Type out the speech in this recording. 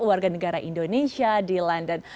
warga negara indonesia di london